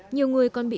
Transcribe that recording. nhiều người còn bị